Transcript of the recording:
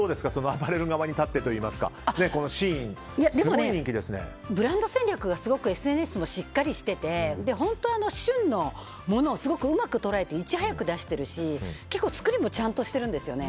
アパレル側に立ってといいますかでもね、ブランド戦略がすごくＳＮＳもしっかりしてて本当、旬のものをすごくうまく捉えていち早く出しているし、作りもちゃんとしているんですよね。